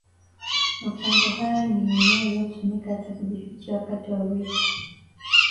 Mapango haya ni eneo lililotumika hata kujifichia wakati wa vita